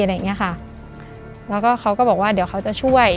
แล้วก็เขาก็บอกว่าเดี๋ยวเขาจะช่วย